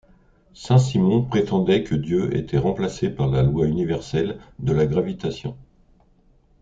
Saint-Simon prétendait que Dieu était remplacé par la loi universelle de la gravitation.